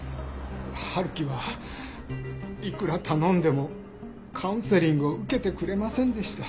春樹はいくら頼んでもカウンセリングを受けてくれませんでした。